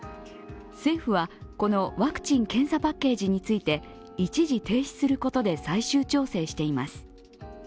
政府は、このワクチン・検査パッケージについて、一時停止することで最終調整しています。